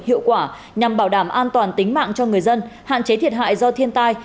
hiệu quả nhằm bảo đảm an toàn tính mạng cho người dân hạn chế thiệt hại do thiên tai